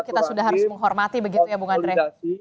kita sudah harus menghormati begitu ya bung andre